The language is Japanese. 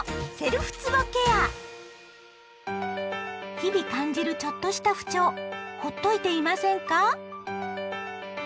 日々感じるちょっとした不調ほっといていませんか？